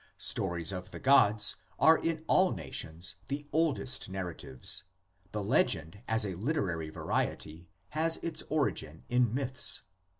Stories of the gods are in all nations the oldest narratives; the legend as a literary variety has its origin in myths.